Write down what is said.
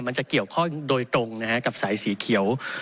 มันจะเกี่ยวข้องโดยตรงนะฮะกับสายสีเขียว